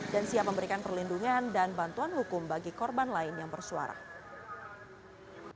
dan siap memberikan perlindungan dan bantuan hukum bagi korban lain yang bersuara